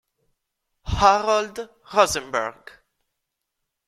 Harold Rosenberg